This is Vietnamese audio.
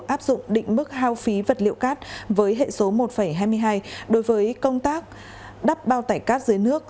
áp dụng định mức hao phí vật liệu cát với hệ số một hai mươi hai đối với công tác đắp bao tải cát dưới nước